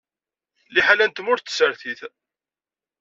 Liḥala n tmurt d tsertit.